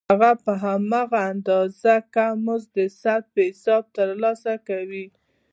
هغه په هماغه اندازه کم مزد د ساعت په حساب ترلاسه کوي